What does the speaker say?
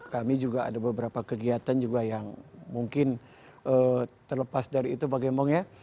kami juga ada beberapa kegiatan juga yang mungkin terlepas dari itu bagaimana